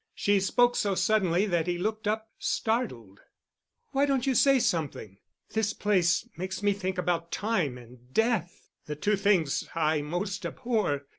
She spoke so suddenly that he looked up, startled. "Why don't you say something? This place makes me think about Time and Death—the two things I most abhor.